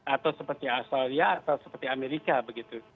atau seperti australia atau seperti amerika begitu